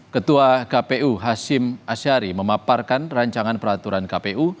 ketua kpu hashim ashari memaparkan rancangan peraturan kpu